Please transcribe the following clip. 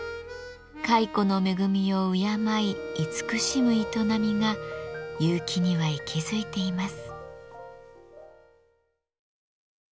蚕の恵みを敬い慈しむ営みが結城には息づいています。